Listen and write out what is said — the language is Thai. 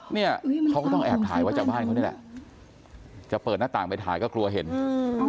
เนี่ยเขาก็ต้องแอบถ่ายไว้จากบ้านเขานี่แหละจะเปิดหน้าต่างไปถ่ายก็กลัวเห็นอืม